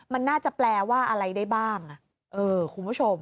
มันน่าจะแปลว่าอะไรได้บ้างคุณผู้ชม